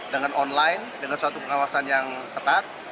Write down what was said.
dengan online dengan suatu pengawasan yang ketat